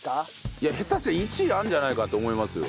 いや下手すれば１位あるんじゃないかって思いますよ。